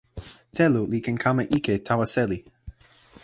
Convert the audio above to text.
telo li ken kama ike tawa seli.